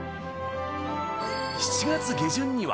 ７月下旬には。